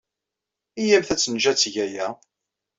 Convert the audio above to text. Iyyamt ad tt-neǧǧ ad teg aya.